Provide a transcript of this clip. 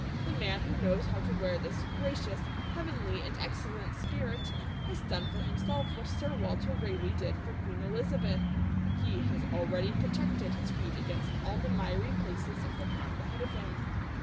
The man who knows how to wear this 'gracious, heavenly, and excellent spirit' has done for himself what Sir Walter Raleigh did for Queen Elizabeth. He has already protected his feet against all the miry places of the path ahead of him.